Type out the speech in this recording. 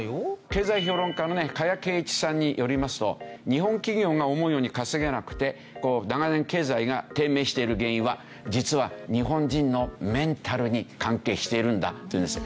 経済評論家のね加谷珪一さんによりますと日本企業が思うように稼げなくて長年経済が低迷している原因は実は日本人のメンタルに関係しているんだというんです。